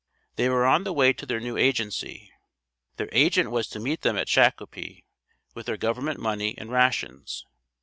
They were on the way to their new agency. Their agent was to meet them at Shakopee with their government money and rations.